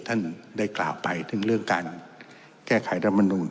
ท่านได้กล่าวไปถึงเรื่องการแก้ไขรัฐมนูล